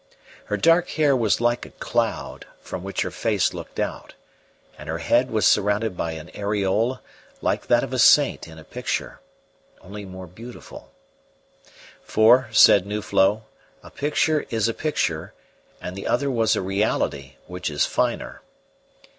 Her dark hair was like a cloud from which her face looked out, and her head was surrounded by an aureole like that of a saint in a picture, only more beautiful. For, said Nuflo, a picture is a picture, and the other was a reality, which is finer.